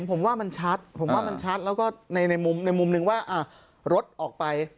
ผมว่ามันชัดผมว่ามันชัดแล้วก็ในมุมหนึ่งว่ารถออกไป